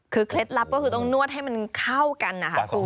คือเคล็ดลับก็คือต้องนวดให้มันเข้ากันนะคะคุณ